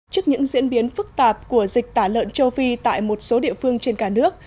trước những diễn biến phức tạp của dịch tả lợn châu phi tại một số địa phương trên cả nước